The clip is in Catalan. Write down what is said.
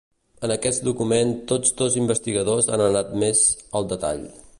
En aquest document, tots dos investigadors han anat més al detall.